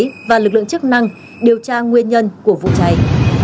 công an quận cầu giấy và lực lượng chức năng điều tra nguyên nhân của vụ cháy